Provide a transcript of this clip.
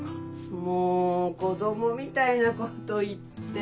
もう子供みたいなこと言って。